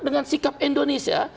dengan sikap indonesia